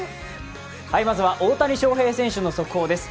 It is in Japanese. まずは大谷翔平選手の速報です。